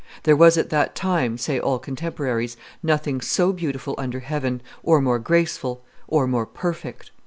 "There was at that time," say all contemporaries, "nothing so beautiful under heaven, or more graceful, or more perfect."